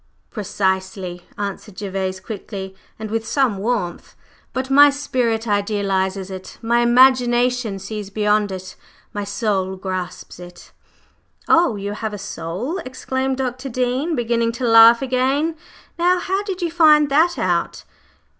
"Precisely," answered Gervase quickly and with some warmth; "but my spirit idealizes it, my imagination sees beyond it, my soul grasps it." "Oh, you have a soul?" exclaimed Dr. Dean, beginning to laugh again. "Now, how did you find that out?"